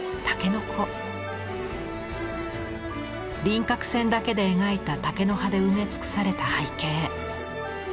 輪郭線だけで描いた竹の葉で埋め尽くされた背景。